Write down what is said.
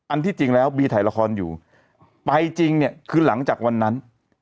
อันที่จริงแล้วก็บีไถ่ละครอยู่ไปจริงคือหลังจากวันนั้น